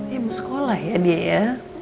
ya mau sekolah ya dia ya